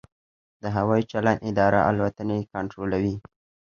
د هوايي چلند اداره الوتنې کنټرولوي